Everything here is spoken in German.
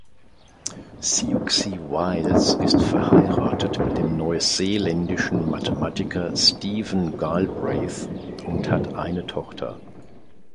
Siouxsie Wiles ist verheiratet mit dem neuseeländischen Mathematiker "Steven Galbraith" und hat eine Tochter.